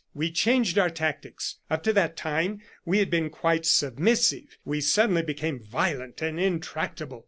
"We changed our tactics. Up to that time we had been quite submissive; we suddenly became violent and intractable.